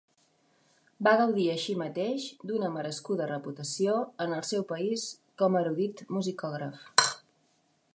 Va gaudir així mateix d'una merescuda reputació en el seu país com a erudit musicògraf.